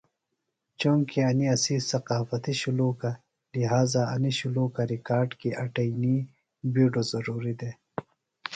چونکیۡ انیۡ اسی تقافتی شُلوکہ لہٰذا انیۡ شُلوکہ ریکارڈ کیۡ اٹئنی بیڈوۡ ضروریۡ دےۡ